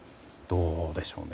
どうなんでしょうね